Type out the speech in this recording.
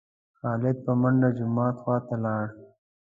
خالد په منډه جومات خوا ته لاړ.